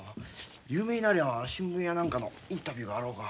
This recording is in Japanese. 有名になりゃ新聞や何かのインタビューがあろうが。